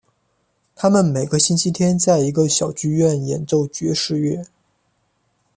他们每个星期天在一个小剧院演奏爵士乐。